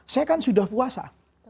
saya kan sudah puasa